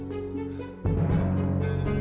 pertentangan ini ketik